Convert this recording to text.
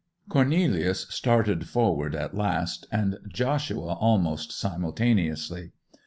Cornelius started forward at last, and Joshua almost simultaneously.